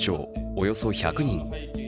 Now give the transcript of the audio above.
およそ１００人。